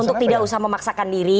untuk tidak usah memaksakan diri